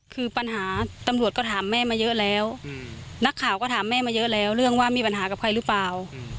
คือปัญหาตำรวจก็ถามแม่มาเยอะแล้วนักข่าวก็ถามแม่มาเยอะแล้วเรื่องว่ามีปัญหากับใครหรือเปล่า